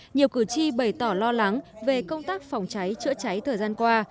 nhiều cử tri bày tỏ lo lắng về công tác phòng cháy chữa cháy thời gian qua